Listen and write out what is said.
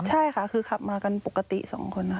ใช่ค่ะคือขับมากันปกติสองคนค่ะ